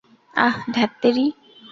আহ, ধ্যাত্তেরি!